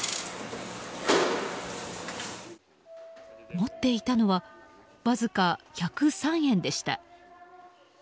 持っていたのはわずか１０３円でした。